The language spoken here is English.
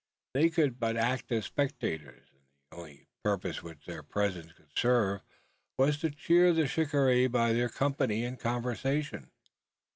They could but act as spectators and the only purpose which their presence could serve, was to cheer the shikaree by their company and conversation.